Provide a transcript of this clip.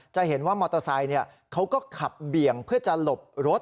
จะเห็นว่ามอเตอร์ไซค์เขาก็ขับเบี่ยงเพื่อจะหลบรถ